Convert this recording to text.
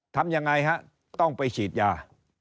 ทำยังไงฮะต้องไปฉีดยา